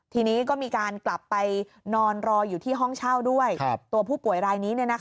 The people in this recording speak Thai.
ทีนี้ก็มีการกลับไปนอนรออยู่ที่ห้องเช่าด้วยตัวผู้ป่วยรายนี้